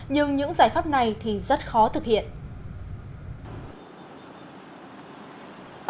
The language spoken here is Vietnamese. nhưng những giải pháp này thì rất khó thực hiện